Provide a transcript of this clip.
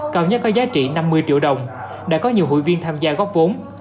cao nhất có giá trị năm mươi triệu đồng đã có nhiều hội viên tham gia góp vốn